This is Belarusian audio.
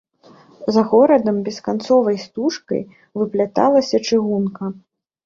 За горадам бесканцовай стужкай выпрасталася чыгунка.